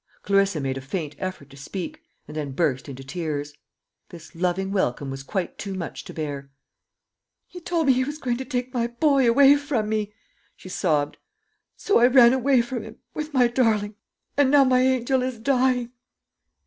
Clarissa made a faint effort to speak, and then burst into tears. This loving welcome was quite too much to bear. "He told me he was going to take my boy away from me," she sobbed, "so I ran away from him, with my darling and now my angel is dying!"